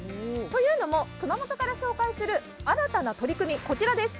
というのも、熊本から紹介する新たな取り組みはこちらです。